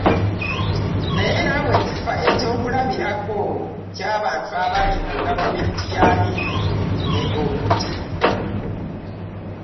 Naye n'awa eky'okulabirako ky'abantu abaali mu gavumenti ya Amin ne Obote